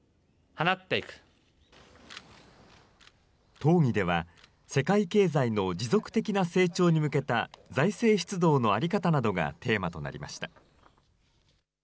討議では、世界経済の持続的な成長に向けた財政出動の在り方などがテーマとなりました。